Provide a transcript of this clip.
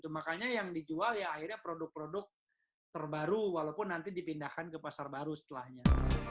makanya yang dijual ya akhirnya produk produk terbaru walaupun nanti dipindahkan ke pasar baru setelahnya